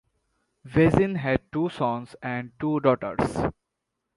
Vezin had two sons and two daughters.